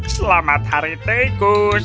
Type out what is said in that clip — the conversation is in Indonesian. selamat hari tekus